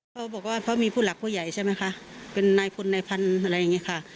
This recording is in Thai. เขาบอกว่าเขามีผู้หลักผู้ใหญ่ใช่ไหมคะเป็นนายพลนายพันธุ์อะไรอย่างนี้ค่ะ